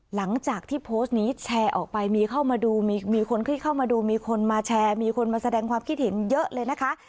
หลังจากที่โพสต์นี้แชร์ออกไปมีเข้ามาดูมีคนที่เข้ามาดูมีคนมาแชร์มีคนมาแสดงความคิดเห็นเยอะเลยนะคะ